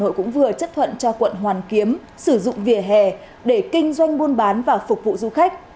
hà nội cũng vừa chất thuận cho quận hoàn kiếm sử dụng vỉa hè để kinh doanh buôn bán và phục vụ du khách